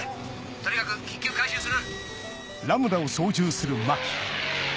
とにかく緊急回収する。